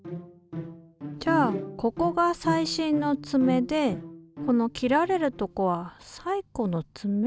じゃあここが最新のつめでこの切られるとこは最古のつめ？